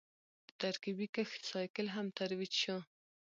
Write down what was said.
د ترکیبي کښت سایکل هم ترویج شو.